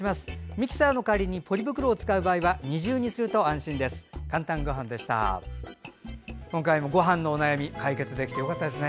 ミキサーの代わりにポリ袋を使う場合は二重にすると安心です。